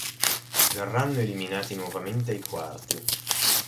Verranno eliminati nuovamente ai quarti.